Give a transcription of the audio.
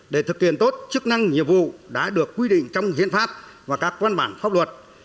để thực hiện tốt chức năng nhiệm vụ đã được quy định trong hiến pháp và các văn bản pháp luật